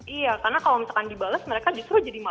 iya karena kalau misalkan dibales mereka disuruh jadi malu